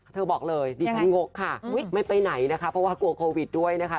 เธอบอกเลยดิฉันงกค่ะไม่ไปไหนนะคะเพราะว่ากลัวโควิดด้วยนะคะ